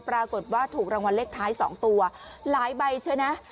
ปรากฏว่าถูกรางวัลเลขท้าย๒ตัวหลายใบใช่ไหม